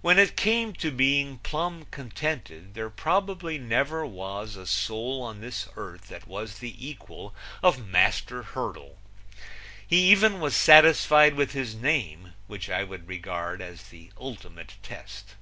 When it came to being plumb contented there probably never was a soul on this earth that was the equal of Master Hurdle. He even was satisfied with his name which I would regard as the ultimate test.